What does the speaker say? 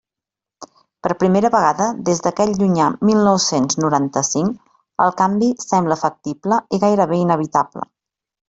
Per primera vegada des d'aquell llunyà mil nou-cents noranta-cinc, el canvi sembla factible i gairebé inevitable.